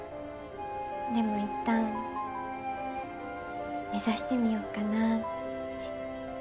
でも一旦目指してみようかなって。